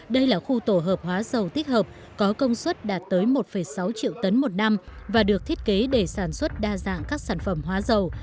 đây là khu tổ hợp hóa dầu tích hợp có công suất đạt tới một sáu triệu tấn một năm và được thiết kế để sản xuất đa dạng các sản phẩm hóa dầu